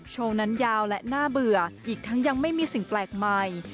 โชว์นั้นยาวและน่าเบื่ออีกทั้งยังไม่มีสิ่งแปลกใหม่